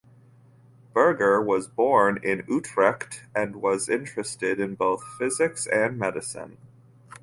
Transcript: Burger was born in Utrecht and was interested in both physics and medicine.